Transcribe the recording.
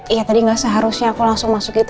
iya tadi gak seharusnya aku langsung masuk gitu